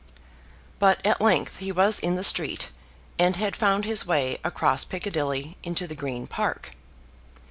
But at length he was in the street, and had found his way across Piccadilly into the Green Park.